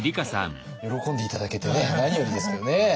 喜んで頂けてね何よりですけどね。